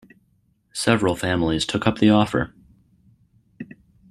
Several families took up the offer.